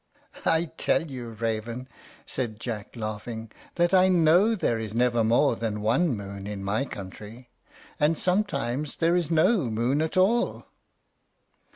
"I tell you, Raven," said Jack, laughing, "that I KNOW there is never more than one moon in my country, and sometimes there is no moon at all!"